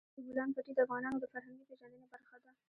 د بولان پټي د افغانانو د فرهنګي پیژندنې برخه ده.